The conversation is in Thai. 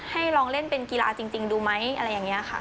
ลองเล่นเป็นกีฬาจริงดูไหมอะไรอย่างนี้ค่ะ